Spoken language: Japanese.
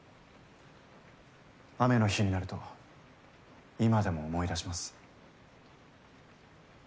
雨の日になると今でも思い出します。